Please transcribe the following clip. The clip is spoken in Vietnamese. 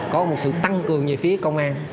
có một sự tăng cường về phía công an